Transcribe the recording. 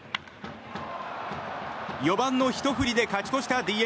４番のひと振りで勝ち越したＤｅＮＡ。